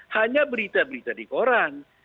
hanya berita berita di koran